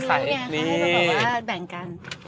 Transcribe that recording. ขอให้บอกว่าแบ่งกัน